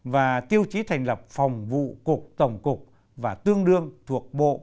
và tiêu chí thành lập phòng vụ cục tổng cục và tương đương thuộc bộ